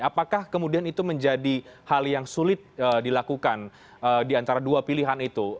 apakah kemudian itu menjadi hal yang sulit dilakukan di antara dua pilihan itu